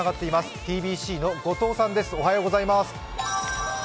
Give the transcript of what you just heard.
ｔｂｃの後藤さんです。